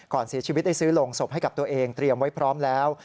เสียชีวิตได้ซื้อโรงศพให้กับตัวเองเตรียมไว้พร้อมแล้ว